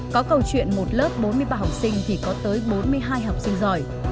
có câu chuyện một lớp bốn mươi ba học sinh thì có tới bốn mươi hai học sinh giỏi